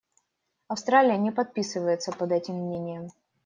Австралия не подписывается под этим мнением.